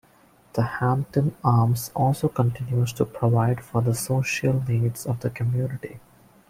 The Hampton Arms also continues to provide for the social needs of the community.